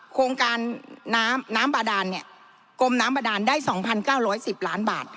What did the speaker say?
โครงการน้ำน้ำบาดานเนี่ยกรมน้ำบาดานได้สองพันเก้าร้อยสิบล้านบาท